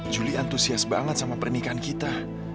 juli antusias banget sama pernikahan kita